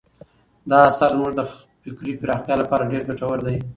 دا اثر زموږ د فکري پراختیا لپاره ډېر ګټور دی.